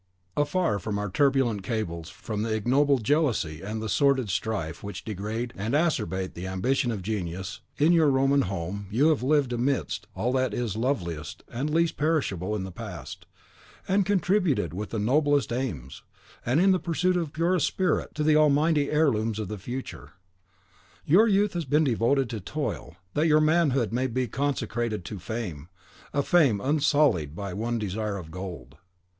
Afar from our turbulent cabals; from the ignoble jealousy and the sordid strife which degrade and acerbate the ambition of Genius, in your Roman Home, you have lived amidst all that is loveliest and least perishable in the past, and contributed with the noblest aims, and in the purest spirit, to the mighty heirlooms of the future. Your youth has been devoted to toil, that your manhood may be consecrated to fame: a fame unsullied by one desire of gold.